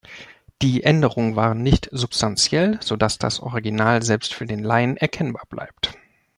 Die Änderungen waren nicht substantiell, sodass das Original selbst für den Laien erkennbar bleibt.